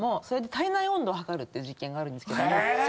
それで体内温度を測るっていう実験があるんですけども。